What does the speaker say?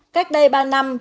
cách đây ba năm